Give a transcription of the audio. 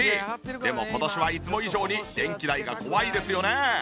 でも今年はいつも以上に電気代が怖いですよね。